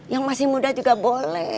yang masih muda juga boleh